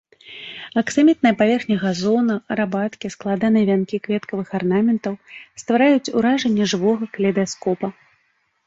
Аксамітная паверхня газона, рабаткі, складаныя вянкі кветкавых арнаментаў ствараюць уражанне жывога калейдаскопа.